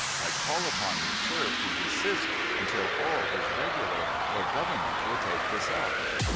I call upon you, sir, to desist, until all is regular, or Government will take this up.'